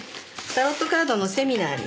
タロットカードのセミナーに。